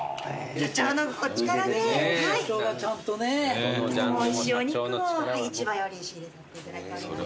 社長のお力でとてもおいしいお肉を市場より仕入れさせていただいております。